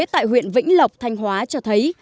tại huyện vĩnh lộc thanh hóa cho thấy